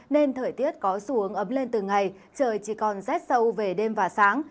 nên thời tiết có xu hướng ấm lên từng ngày trời chỉ còn rét sâu về đêm và sáng